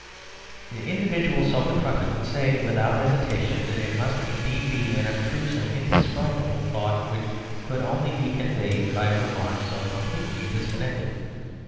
The individual so confronted would say without hesitation that it must indeed be an abstruse and indescribable thought which could only be conveyed by remarks so completely disconnected.